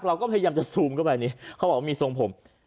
เราก็พยายามจะซูมเข้าไปนี่เขาบอกว่ามีทรงผม